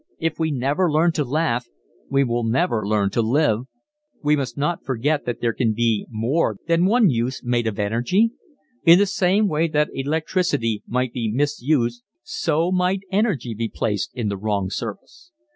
If we never learn to laugh we will never learn to live. We must not forget that there can be more than one use made of energy. In the same way that electricity might be misused so might energy be placed in the wrong service.